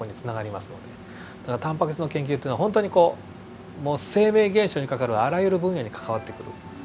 だからタンパク質の研究っていうのは本当にこうもう生命現象に関わるあらゆる分野に関わってくる。